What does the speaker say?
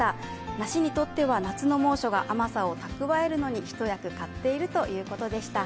梨にとっては夏の猛暑が甘さを蓄えるのに一役買っているということでした。